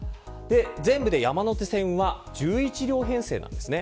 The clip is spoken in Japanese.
全部で山手線は１１両編成なんですね。